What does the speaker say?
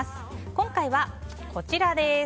今回はこちらです。